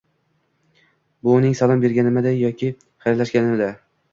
Bu uning salom berganimidi yoki xayrlashganimidi?